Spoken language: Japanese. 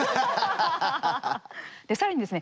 更にですね